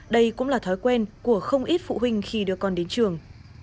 đây cũng là thói quen của không ít phụ huynh khi đưa con đến trường